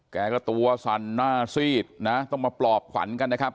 แกก็ตัวสั่นหน้าซีดนะต้องมาปลอบขวัญกันนะครับ